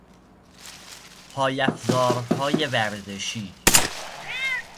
پای افزارهای ورزشی